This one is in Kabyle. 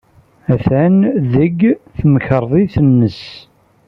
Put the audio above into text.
Atan deg temkarḍit-nnes.